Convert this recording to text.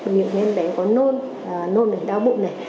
vì em bé có nôn nôn đau bụng này